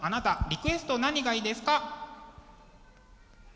リクエスト何がいいですか？